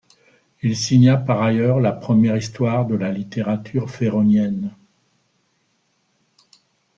Il signa par ailleurs la première histoire de la littérature féroïenne.